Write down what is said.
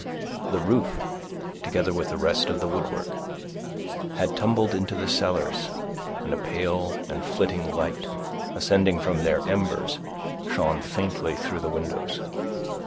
The roof, together with the rest of the woodwork, had tumbled into the cellars, and a pale and flitting light, ascending from their embers, shone faintly through the windows.